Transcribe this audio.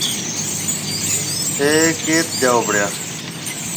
ٿَي ڪيٿ جاو پڙيا۔